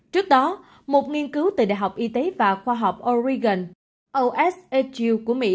trước đó một nghiên cứu từ đại học y tế và khoa học oregon oshu của mỹ